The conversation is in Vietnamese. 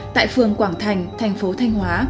tại phường quảng thành thành phố thanh hóa